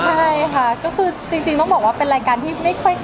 ใช่ค่ะก็คือจริงต้องบอกว่าเป็นรายการที่ไม่ค่อย